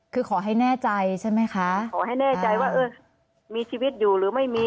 คือขอให้แน่ใจใช่ไหมคะขอให้แน่ใจว่าเออมีชีวิตอยู่หรือไม่มี